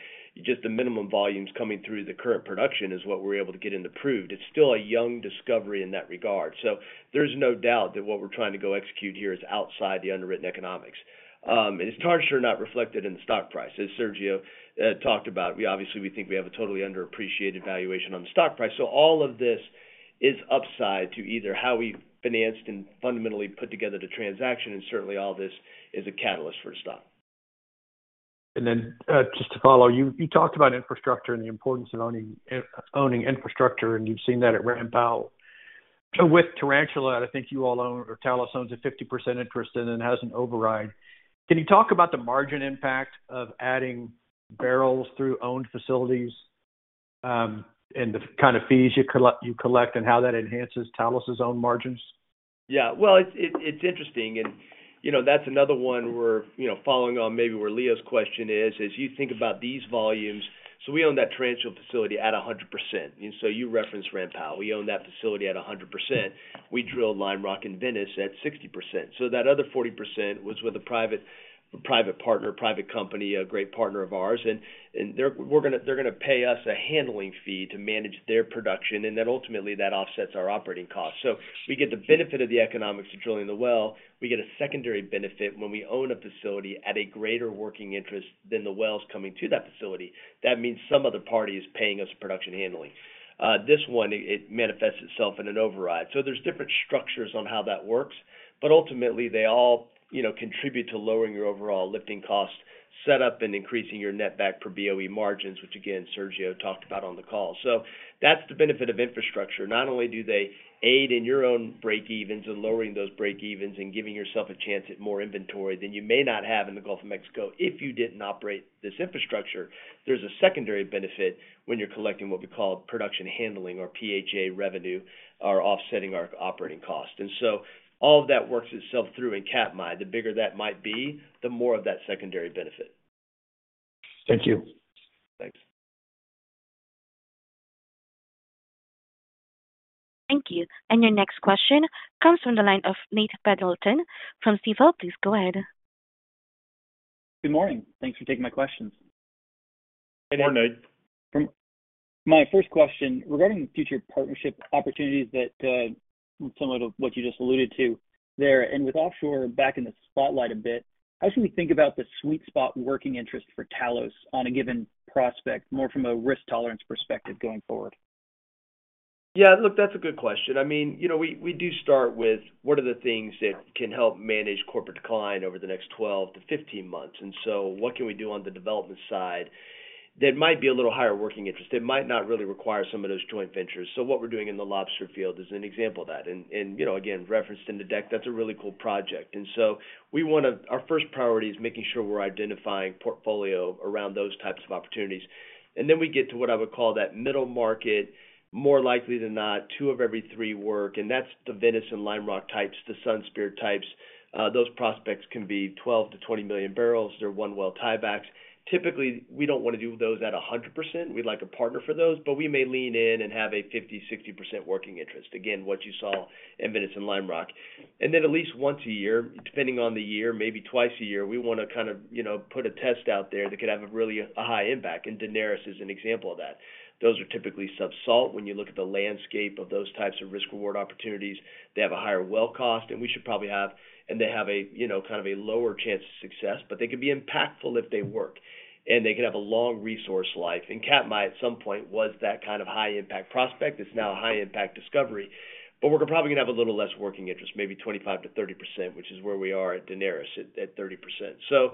just the minimum volumes coming through the current production is what we're able to get into proved. It's still a young discovery in that regard. So there's no doubt that what we're trying to go execute here is outside the underwritten economics. And it's largely not reflected in the stock price. As Sergio talked about, we obviously, we think we have a totally underappreciated valuation on the stock price. So all of this is upside to either how we financed and fundamentally put together the transaction, and certainly all this is a catalyst for the stock. Then, just to follow, you talked about infrastructure and the importance of owning infrastructure, and you've seen that at Ram Powell. With Tarantula, I think you all own, or Talos owns a 50% interest in it and has an override. Can you talk about the margin impact of adding barrels through owned facilities, and the kind of fees you collect, and how that enhances Talos's own margins? Yeah, well, it's interesting, and, you know, that's another one we're, you know, following on maybe where Leo's question is, as you think about these volumes. So we own that Tarantula facility at 100%. And so you referenced Ram Powell. We own that facility at 100%. We drilled Lime Rock and Venice at 60%. So that other 40% was with a private partner, private company, a great partner of ours. And they're gonna pay us a handling fee to manage their production, and then ultimately, that offsets our operating costs. So we get the benefit of the economics of drilling the well. We get a secondary benefit when we own a facility at a greater working interest than the wells coming to that facility. That means some other party is paying us production handling. This one, it manifests itself in an override. So there's different structures on how that works, but ultimately, they all, you know, contribute to lowering your overall lifting costs, set up and increasing your netback per BOE margins, which again, Sergio talked about on the call. So that's the benefit of infrastructure. Not only do they aid in your own breakevens and lowering those breakevens and giving yourself a chance at more inventory than you may not have in the Gulf of Mexico if you didn't operate this infrastructure, there's a secondary benefit when you're collecting what we call production handling or PHA revenue, are offsetting our operating cost. And so all of that works itself through in Katmai. The bigger that might be, the more of that secondary benefit. Thank you. Thanks. Thank you. Your next question comes from the line of Nate Pendleton from Stifel. Please go ahead. Good morning. Thanks for taking my questions. Good morning. My first question, regarding future partnership opportunities that, similar to what you just alluded to there, and with offshore back in the spotlight a bit, how should we think about the sweet spot working interest for Talos on a given prospect, more from a risk tolerance perspective going forward? ...Yeah, look, that's a good question. I mean, you know, we do start with, what are the things that can help manage corporate decline over the next 12-15 months? And so what can we do on the development side that might be a little higher working interest, that might not really require some of those joint ventures? So what we're doing in the Lobster field is an example of that. And, you know, again, referenced in the deck, that's a really cool project. And so we wanna—our first priority is making sure we're identifying portfolio around those types of opportunities. And then we get to what I would call that middle market, more likely than not, two of every three work, and that's the Venice and Lime Rock types, the Sunspear types. Those prospects can be 12-20 million barrels. They're one-well tie-backs. Typically, we don't wanna do those at 100%. We'd like a partner for those, but we may lean in and have a 50%-60% working interest. Again, what you saw in Venice and Lime Rock. And then at least once a year, depending on the year, maybe twice a year, we wanna kind of, you know, put a test out there that could have a really, a high impact, and Daenerys is an example of that. Those are typically sub-salt. When you look at the landscape of those types of risk-reward opportunities, they have a higher well cost, and we should probably have, and they have a, you know, kind of a lower chance of success, but they could be impactful if they work, and they could have a long resource life. Katmai, at some point, was that kind of high impact prospect. It's now a high impact discovery, but we're probably gonna have a little less working interest, maybe 25%-30%, which is where we are at Daenerys, at 30%. So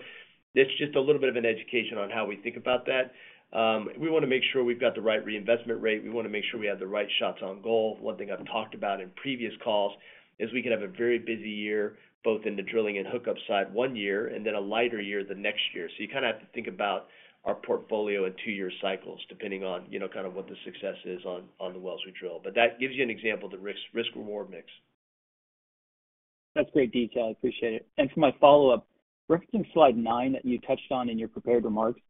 that's just a little bit of an education on how we think about that. We wanna make sure we've got the right reinvestment rate. We wanna make sure we have the right shots on goal. One thing I've talked about in previous calls is we can have a very busy year, both in the drilling and hookup side one year, and then a lighter year the next year. So you kinda have to think about our portfolio in two-year cycles, depending on, you know, kind of what the success is on the wells we drill. But that gives you an example of the risk, risk-reward mix. That's great detail. I appreciate it. For my follow-up, referencing slide 9 that you touched on in your prepared remarks,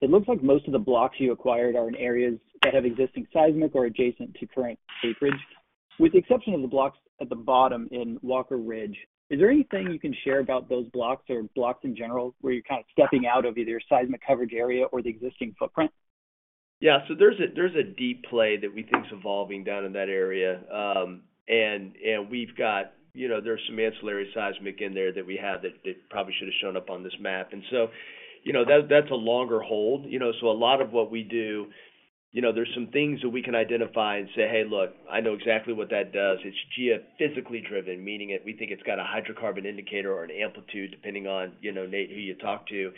it looks like most of the blocks you acquired are in areas that have existing seismic or adjacent to current acreage. With the exception of the blocks at the bottom in Walker Ridge, is there anything you can share about those blocks or blocks in general, where you're kind of stepping out of either your seismic coverage area or the existing footprint? Yeah, so there's a deep play that we think is evolving down in that area. And we've got... You know, there's some ancillary seismic in there that we have that probably should have shown up on this map. And so, you know, that- that's a longer hold. You know, so a lot of what we do, you know, there's some things that we can identify and say, "Hey, look, I know exactly what that does. It's geophysically driven," meaning that we think it's got a hydrocarbon indicator or an amplitude, depending on, you know, Nate, who you talk to.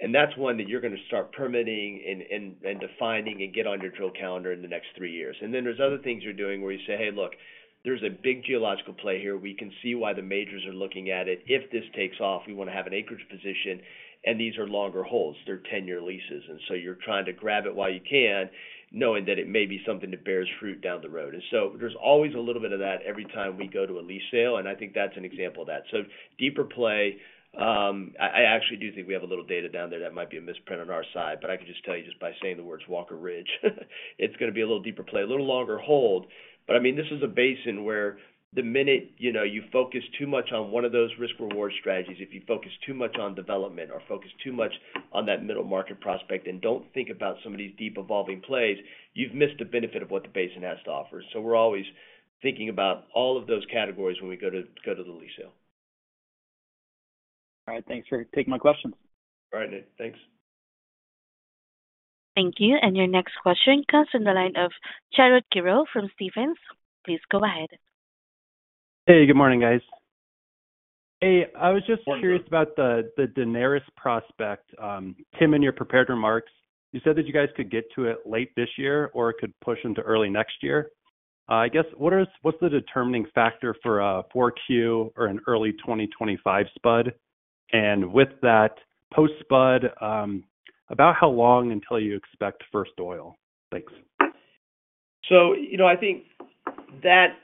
And that's one that you're gonna start permitting and defining and get on your drill calendar in the next three years. And then there's other things you're doing where you say, "Hey, look, there's a big geological play here. We can see why the majors are looking at it. If this takes off, we wanna have an acreage position," and these are longer holds. They're 10-year leases, and so you're trying to grab it while you can, knowing that it may be something that bears fruit down the road. And so there's always a little bit of that every time we go to a lease sale, and I think that's an example of that. So deeper play, I actually do think we have a little data down there that might be a misprint on our side, but I can just tell you just by saying the words Walker Ridge, it's gonna be a little deeper play, a little longer hold. But, I mean, this is a basin where the minute, you know, you focus too much on one of those risk-reward strategies, if you focus too much on development or focus too much on that middle market prospect and don't think about some of these deep evolving plays, you've missed the benefit of what the basin has to offer. So we're always thinking about all of those categories when we go to, go to the lease sale. All right, thanks for taking my questions. All right, Nate. Thanks. Thank you, and your next question comes from the line of Jarrod Giro from Stephens. Please go ahead. Hey, good morning, guys. Hey, I was just- Good morning. Curious about the, the Daenerys prospect. Tim, in your prepared remarks, you said that you guys could get to it late this year, or it could push into early next year. I guess, what's the determining factor for a 4Q or an early 2025 spud? And with that post spud, about how long until you expect first oil? Thanks. So, you know, I think that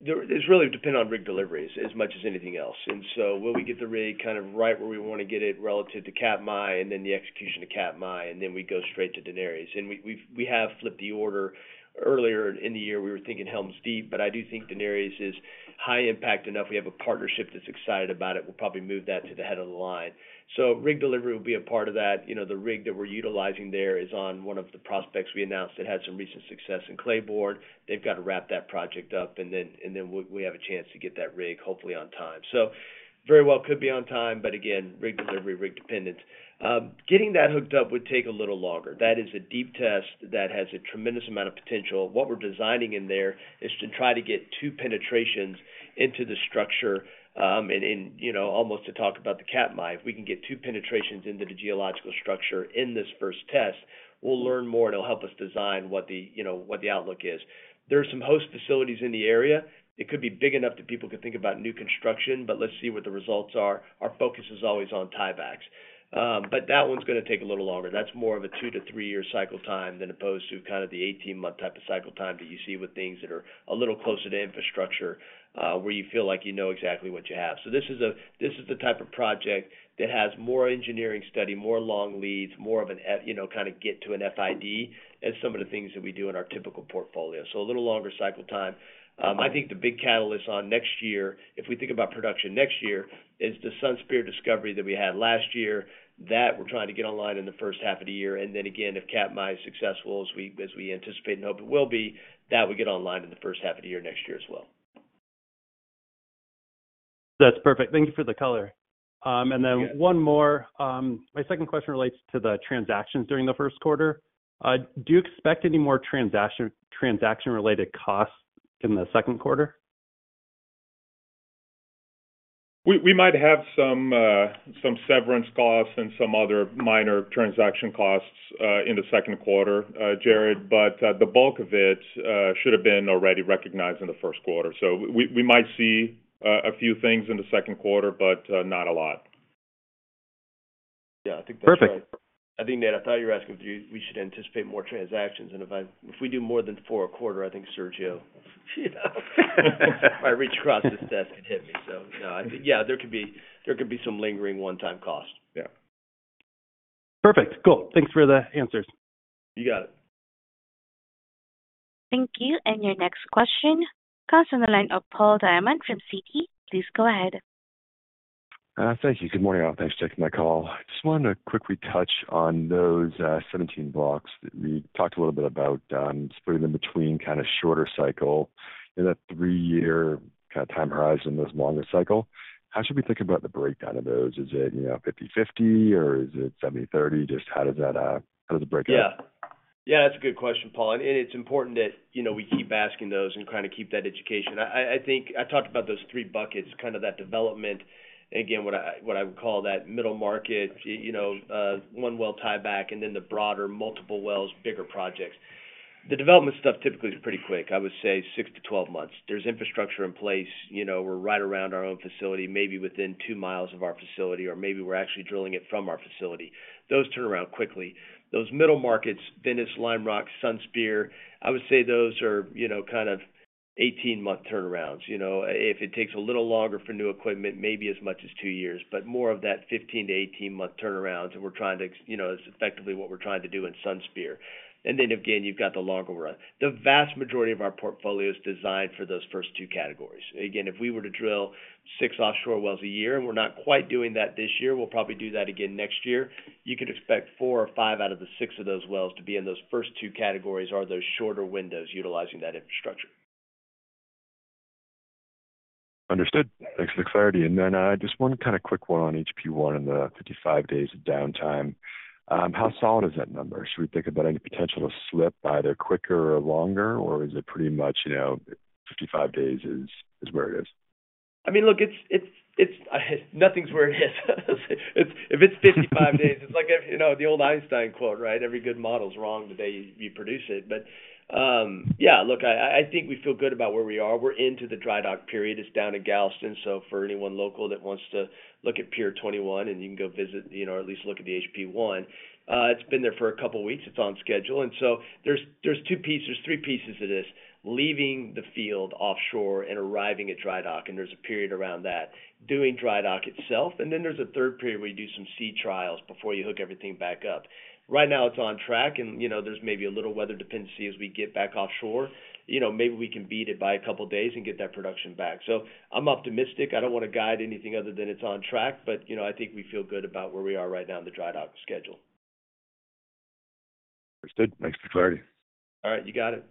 there, it's really dependent on rig deliveries as much as anything else. And so will we get the rig kind of right where we wanna get it relative to Katmai, and then the execution of Katmai, and then we go straight to Daenerys. And we, we've-- we have flipped the order. Earlier in the year, we were thinking Helms Deep, but I do think Daenerys is high impact enough. We have a partnership that's excited about it. We'll probably move that to the head of the line. So rig delivery will be a part of that. You know, the rig that we're utilizing there is on one of the prospects we announced. It had some recent success in Claiborne. They've got to wrap that project up, and then, and then we, we have a chance to get that rig, hopefully on time. So very well could be on time, but again, rig delivery, rig dependent. Getting that hooked up would take a little longer. That is a deep test that has a tremendous amount of potential. What we're designing in there is to try to get two penetrations into the structure, and in, you know, almost to talk about the Katmai. If we can get two penetrations into the geological structure in this first test, we'll learn more, and it'll help us design what the, you know, what the outlook is. There are some host facilities in the area. It could be big enough that people could think about new construction, but let's see what the results are. Our focus is always on tiebacks. But that one's gonna take a little longer. That's more of a 2-3-year cycle time than opposed to kind of the 18-month type of cycle time that you see with things that are a little closer to infrastructure, where you feel like you know exactly what you have. So this is the type of project that has more engineering study, more long leads, more of an, you know, kinda get to an FID, as some of the things that we do in our typical portfolio. So a little longer cycle time. I think the big catalyst on next year, if we think about production next year, is the Sunspear discovery that we had last year, that we're trying to get online in the first half of the year. And then again, if Katmai is successful, as we anticipate and hope it will be, that will get online in the first half of the year, next year as well.... That's perfect. Thank you for the color. And then one more. My second question relates to the transactions during the first quarter. Do you expect any more transaction-related costs in the second quarter? We might have some severance costs and some other minor transaction costs in the second quarter, Jared, but the bulk of it should have been already recognized in the first quarter. So we might see a few things in the second quarter, but not a lot. Yeah, I think that's right. Perfect. I think, Nate, I thought you were asking if we should anticipate more transactions, and if we do more than 4 a quarter, I think Sergio, you know, might reach across this desk and hit me. So, yeah, there could be, there could be some lingering one-time costs. Yeah. Perfect. Cool. Thanks for the answers. You got it. Thank you. And your next question comes on the line of Paul Diamond from Citi. Please go ahead. Thank you. Good morning, all. Thanks for taking my call. Just wanted to quickly touch on those 17 blocks that we talked a little bit about, splitting them between kind of shorter cycle and a three-year kind of time horizon, those longer cycle. How should we think about the breakdown of those? Is it, you know, 50/50, or is it 70/30? Just how does that, how does it break down? Yeah. Yeah, that's a good question, Paul, and it's important that, you know, we keep asking those and kind of keep that education. I think I talked about those three buckets, kind of that development. Again, what I, what I would call that middle market, you know, one well tieback, and then the broader multiple wells, bigger projects. The development stuff typically is pretty quick. I would say 6-12 months. There's infrastructure in place. You know, we're right around our own facility, maybe within 2 miles of our facility, or maybe we're actually drilling it from our facility. Those turn around quickly. Those middle markets, Venice, Lime Rock, Sunspear, I would say those are, you know, kind of 18-month turnarounds. You know, if it takes a little longer for new equipment, maybe as much as 2 years, but more of that 15- to 18-month turnarounds, we're trying to, you know, it's effectively what we're trying to do in Sunspear. And then again, you've got the longer run. The vast majority of our portfolio is designed for those first two categories. Again, if we were to drill 6 offshore wells a year, and we're not quite doing that this year, we'll probably do that again next year, you could expect 4 or 5 out of the 6 of those wells to be in those first two categories or those shorter windows utilizing that infrastructure. Understood. Thanks for the clarity. And then, just one kind of quick one on HP-I and the 55 days of downtime. How solid is that number? Should we think about any potential to slip either quicker or longer, or is it pretty much, you know, 55 days is, is where it is? I mean, look, it's nothing's where it is. It's if it's 55 days, it's like, you know, the old Einstein quote, right? Every good model is wrong the day you produce it. But, yeah, look, I think we feel good about where we are. We're into the dry dock period. It's down to Galveston, so for anyone local that wants to look at Pier 21, and you can go visit, you know, or at least look at the HP-1. It's been there for a couple of weeks. It's on schedule. And so there's two pieces, there's three pieces to this: leaving the field offshore and arriving at dry dock, and there's a period around that. Doing dry dock itself, and then there's a third period where you do some sea trials before you hook everything back up. Right now, it's on track and, you know, there's maybe a little weather dependency as we get back offshore. You know, maybe we can beat it by a couple of days and get that production back. So I'm optimistic. I don't want to guide anything other than it's on track, but, you know, I think we feel good about where we are right now in the dry dock schedule. Understood. Thanks for the clarity. All right, you got it.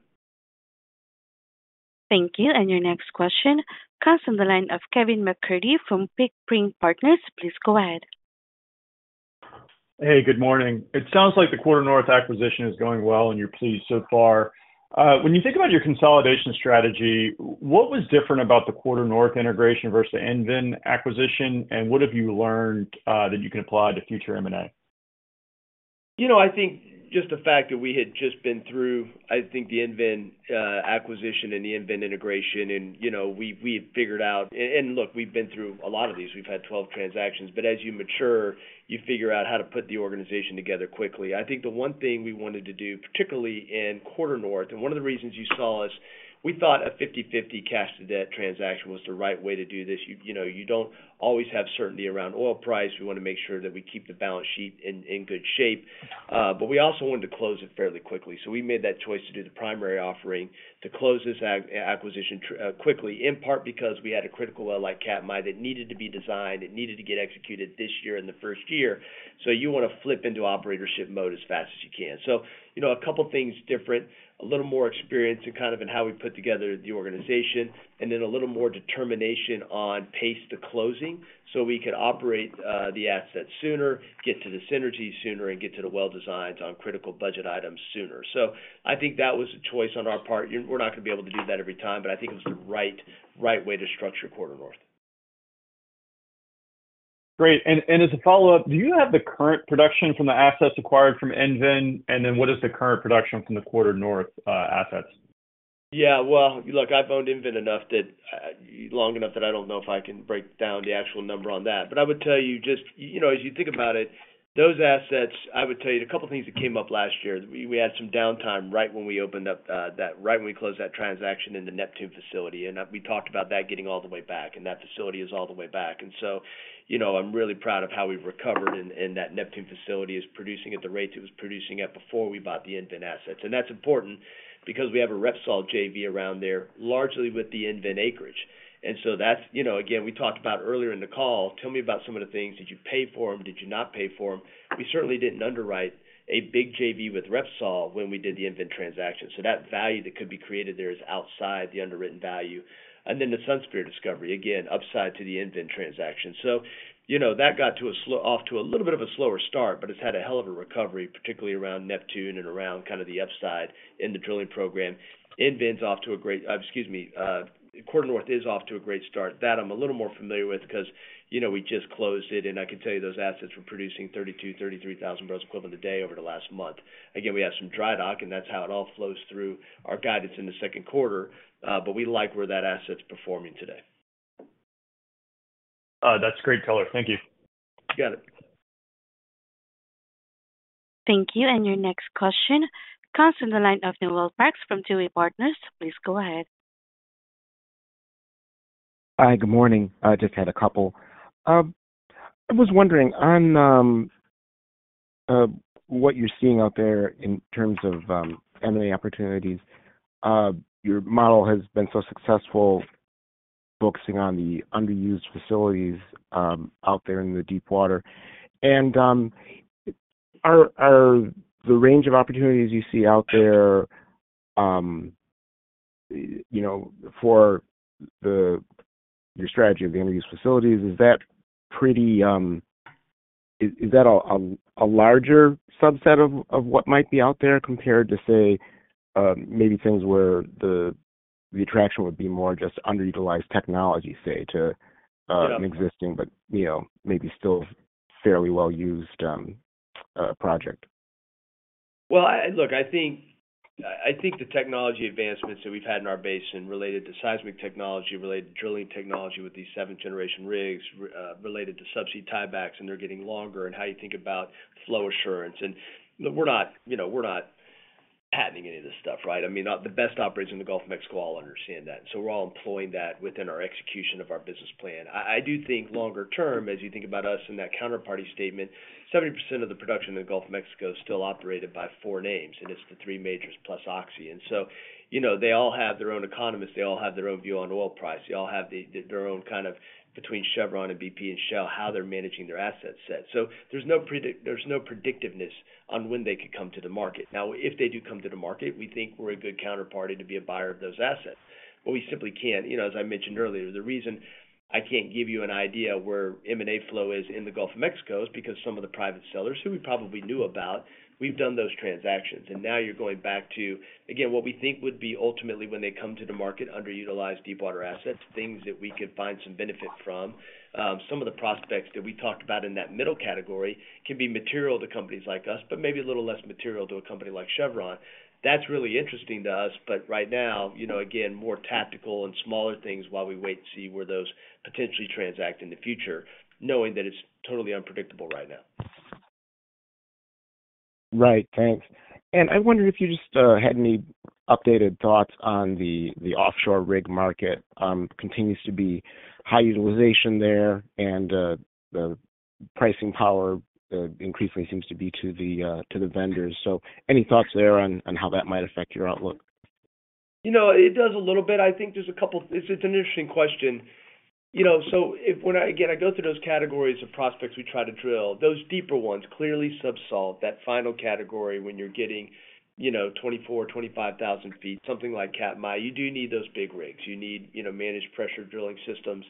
Thank you. Your next question comes from the line of Kevin MacCurdy from Pickering Energy Partners. Please go ahead. Hey, good morning. It sounds like the Quarter North acquisition is going well, and you're pleased so far. When you think about your consolidation strategy, what was different about the Quarter North integration versus the EnVen acquisition, and what have you learned that you can apply to future M&A? You know, I think just the fact that we had just been through, I think, the EnVen acquisition and the EnVen integration, and, you know, we, we figured out... and look, we've been through a lot of these. We've had 12 transactions, but as you mature, you figure out how to put the organization together quickly. I think the one thing we wanted to do, particularly in Quarter North, and one of the reasons you saw us, we thought a 50/50 cash to debt transaction was the right way to do this. You know, you don't always have certainty around oil price. We want to make sure that we keep the balance sheet in good shape, but we also wanted to close it fairly quickly. So we made that choice to do the primary offering to close this acquisition quickly, in part because we had a critical well like Katmai that needed to be designed, it needed to get executed this year and the first year. So you want to flip into operatorship mode as fast as you can. So, you know, a couple things different, a little more experience in kind of in how we put together the organization, and then a little more determination on pace to closing, so we can operate the asset sooner, get to the synergy sooner, and get to the well designs on critical budget items sooner. So I think that was a choice on our part. We're not gonna be able to do that every time, but I think it was the right, right way to structure Quarter North. Great. And, and as a follow-up, do you have the current production from the assets acquired from EnVen? And then what is the current production from the Quarter North assets? Yeah, well, look, I've owned EnVen long enough that I don't know if I can break down the actual number on that. But I would tell you just, you know, as you think about it, those assets, I would tell you, the couple of things that came up last year, we had some downtime right when we closed that transaction in the Neptune facility, and we talked about that getting all the way back, and that facility is all the way back. And so, you know, I'm really proud of how we've recovered, and that Neptune facility is producing at the rates it was producing at before we bought the EnVen assets. And that's important because we have a Repsol JV around there, largely with the EnVen acreage. And so that's, you know, again, we talked about earlier in the call, tell me about some of the things. Did you pay for them? Did you not pay for them? We certainly didn't underwrite a big JV with Repsol when we did the EnVen transaction. So that value that could be created there is outside the underwritten value. And then the Sunspear discovery, again, upside to the EnVen transaction. So you know, that got off to a little bit of a slower start, but it's had a hell of a recovery, particularly around Neptune and around kind of the upside in the drilling program. EnVen's off to a great... Excuse me, Quarter North is off to a great start. That I'm a little more familiar with because, you know, we just closed it, and I can tell you those assets were producing 32,000-33,000 barrels equivalent a day over the last month. Again, we have some dry dock, and that's how it all flows through our guidance in the second quarter, but we like where that asset's performing today. That's great color. Thank you. You got it. Thank you. Your next question comes on the line of Noel Parks from Tuohy Brothers. Please go ahead. Hi, good morning. I just had a couple. I was wondering on what you're seeing out there in terms of M&A opportunities. Your model has been so successful focusing on the underused facilities out there in the deepwater. And the range of opportunities you see out there, you know, for your strategy of the underused facilities, is that pretty, is that a larger subset of what might be out there compared to, say, maybe things where the attraction would be more just underutilized technology, say, to an existing, but you know, maybe still fairly well used project? Well, look, I think, I think the technology advancements that we've had in our basin related to seismic technology, related to drilling technology with these 7th-generation rigs, related to subsea tiebacks, and they're getting longer, and how you think about flow assurance, and we're not, you know, we're not patenting any of this stuff, right? I mean, the best operators in the Gulf of Mexico all understand that. So we're all employing that within our execution of our business plan. I, I do think longer term, as you think about us in that counterparty statement, 70% of the production in the Gulf of Mexico is still operated by four names, and it's the three majors plus Oxy. And so, you know, they all have their own economists, they all have their own view on oil price. They all have the, their own kind of between Chevron and BP and Shell, how they're managing their asset set. So there's no predictiveness on when they could come to the market. Now, if they do come to the market, we think we're a good counterparty to be a buyer of those assets. But we simply can't. You know, as I mentioned earlier, the reason I can't give you an idea where M&A flow is in the Gulf of Mexico is because some of the private sellers who we probably knew about, we've done those transactions, and now you're going back to, again, what we think would be ultimately when they come to the market, underutilized deepwater assets, things that we could find some benefit from. Some of the prospects that we talked about in that middle category can be material to companies like us, but maybe a little less material to a company like Chevron. That's really interesting to us, but right now, you know, again, more tactical and smaller things while we wait to see where those potentially transact in the future, knowing that it's totally unpredictable right now. Right. Thanks. And I wonder if you just had any updated thoughts on the offshore rig market continues to be high utilization there, and the pricing power increasingly seems to be to the vendors. So any thoughts there on how that might affect your outlook? You know, it does a little bit. I think there's a couple... It's, it's an interesting question. You know, so if when I—again, I go through those categories of prospects, we try to drill, those deeper ones, clearly subsalt, that final category, when you're getting, you know, 24-25 thousand feet, something like Katmai, you do need those big rigs. You need, you know, managed pressure drilling systems.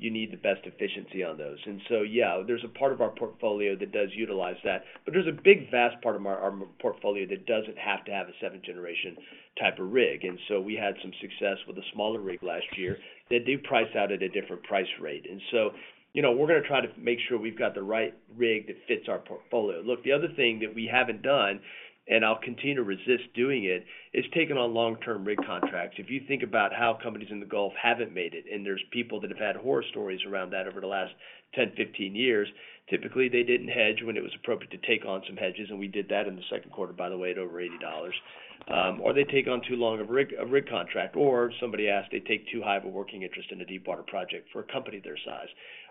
You need the best efficiency on those. And so, yeah, there's a part of our portfolio that does utilize that, but there's a big, vast part of our, our portfolio that doesn't have to have a seventh-generation type of rig. And so we had some success with a smaller rig last year that do price out at a different price rate. And so, you know, we're gonna try to make sure we've got the right rig that fits our portfolio. Look, the other thing that we haven't done, and I'll continue to resist doing it, is taking on long-term rig contracts. If you think about how companies in the Gulf haven't made it, and there's people that have had horror stories around that over the last 10, 15 years, typically, they didn't hedge when it was appropriate to take on some hedges, and we did that in the second quarter, by the way, at over $80. Or they take on too long a rig, a rig contract, or somebody asked, they take too high of a working interest in a deepwater project for a company their size.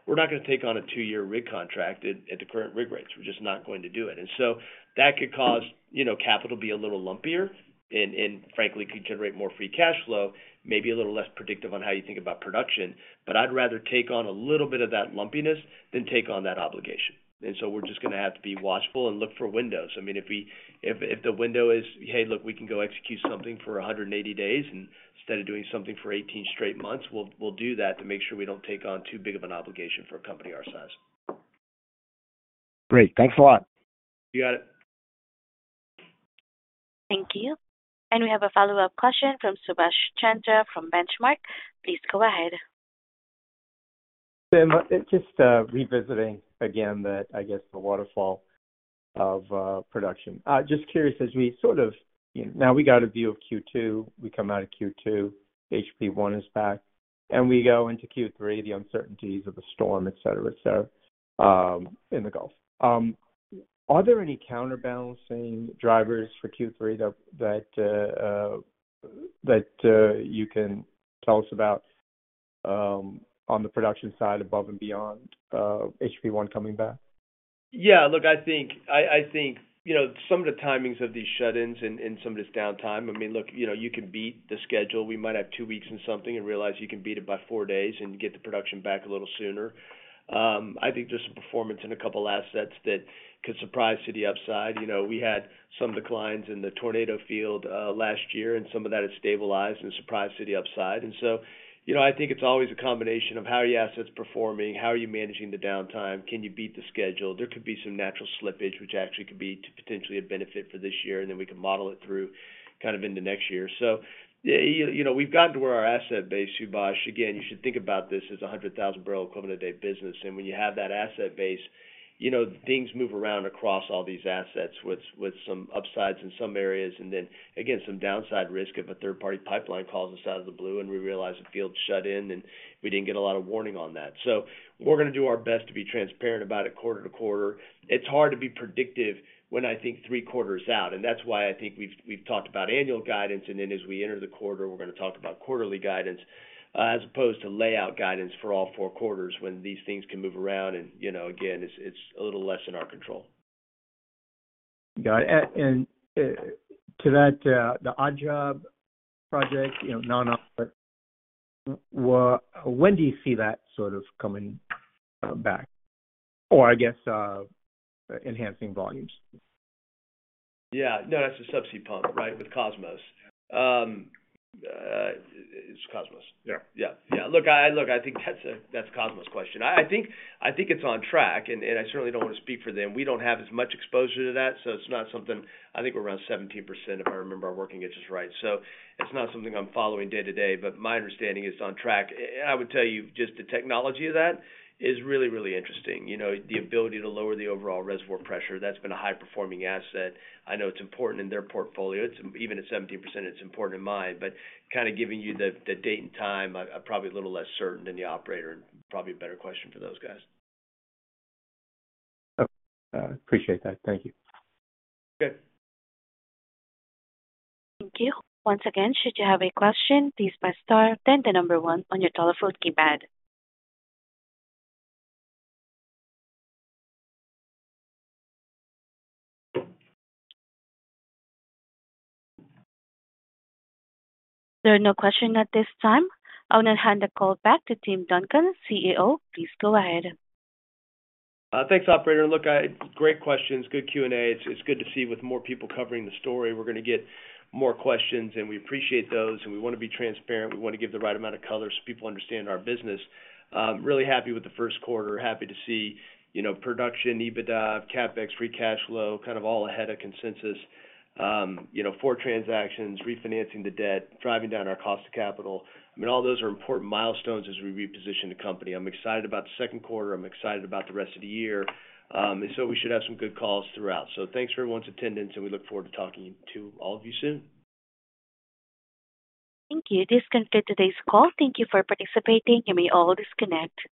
We're not gonna take on a 2-year rig contract at, at the current rig rates. We're just not going to do it. And so that could cause, you know, capital to be a little lumpier and, and frankly, could generate more free cash flow, maybe a little less predictive on how you think about production, but I'd rather take on a little bit of that lumpiness than take on that obligation. And so we're just gonna have to be watchful and look for windows. I mean, if we, if the window is, hey, look, we can go execute something for 180 days and instead of doing something for 18 straight months, we'll do that to make sure we don't take on too big of an obligation for a company our size. Great. Thanks a lot. You got it. Thank you. We have a follow-up question from Subash Chandra from Benchmark. Please go ahead. Tim, just revisiting again that I guess the waterfall of production. Just curious, as we sort of now we got a view of Q2, we come out of Q2, HP1 is back, and we go into Q3, the uncertainties of the storm, et cetera, et cetera, in the Gulf. Are there any counterbalancing drivers for Q3 that you can tell us about on the production side, above and beyond HP1 coming back? Yeah, look, I think you know, some of the timings of these shut-ins and some of this downtime, I mean, look, you know, you can beat the schedule. We might have two weeks in something and realize you can beat it by four days and get the production back a little sooner. I think just the performance in a couple of assets that could surprise to the upside. You know, we had some declines in the Tornado field last year, and some of that has stabilized and surprised to the upside. And so, you know, I think it's always a combination of how are your assets performing? How are you managing the downtime? Can you beat the schedule? There could be some natural slippage, which actually could be to potentially a benefit for this year, and then we can model it through kind of into next year. So, you know, we've gotten to where our asset base, Subash. Again, you should think about this as a 100,000 barrel equivalent a day business, and when you have that asset base, you know, things move around across all these assets, with some upsides in some areas, and then again, some downside risk of a third-party pipeline calls us out of the blue, and we realize the field's shut in, and we didn't get a lot of warning on that. So we're gonna do our best to be transparent about it quarter to quarter. It's hard to be predictive when I think three quarters out, and that's why I think we've, we've talked about annual guidance, and then as we enter the quarter, we're gonna talk about quarterly guidance, as opposed to lay out guidance for all four quarters when these things can move around. And, you know, again, it's, it's a little less in our control.... Got it. And, and to that, the Odd Job project, you know, non-op, when do you see that sort of coming back? Or I guess, enhancing volumes? Yeah. No, that's a subsea pump, right? With Kosmos. It's Kosmos. Yeah. Yeah, yeah. Look, I, look, I think that's a, that's a Kosmos question. I, I think, I think it's on track, and, and I certainly don't want to speak for them. We don't have as much exposure to that, so it's not something... I think we're around 17%, if I remember our working interest right. So it's not something I'm following day to day, but my understanding is it's on track. I would tell you, just the technology of that is really, really interesting. You know, the ability to lower the overall reservoir pressure, that's been a high-performing asset. I know it's important in their portfolio. It's, even at 17%, it's important in mine. But kind of giving you the, the date and time, I, I'm probably a little less certain than the operator, and probably a better question for those guys. Okay. Appreciate that. Thank you. Good. Thank you. Once again, should you have a question, please press star, then the number 1 on your telephone keypad. There are no questions at this time. I will now hand the call back to Tim Duncan, CEO. Please go ahead. Thanks, operator. Look, great questions. Good Q&A. It's good to see with more people covering the story, we're gonna get more questions, and we appreciate those, and we want to be transparent. We want to give the right amount of color so people understand our business. Really happy with the first quarter. Happy to see, you know, production, EBITDA, CapEx, free cash flow, kind of all ahead of consensus. You know, four transactions, refinancing the debt, driving down our cost of capital. I mean, all those are important milestones as we reposition the company. I'm excited about the second quarter. I'm excited about the rest of the year. And so we should have some good calls throughout. So thanks for everyone's attendance, and we look forward to talking to all of you soon. Thank you. This concludes today's call. Thank you for participating. You may all disconnect.